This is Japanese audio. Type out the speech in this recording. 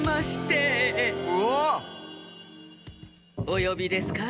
およびですか？